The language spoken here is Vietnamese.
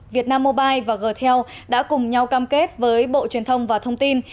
vietnam mobile và gtel đã cùng nhau cam kết với bộ truyền thông và thông tin